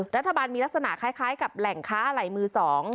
รัฐบาลมีลักษณะคล้ายกับแหล่งค้าอะไหล่มือ๒